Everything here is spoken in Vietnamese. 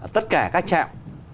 tất cả các trạm